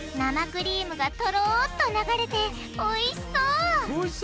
生クリームがとろっと流れておいしそう！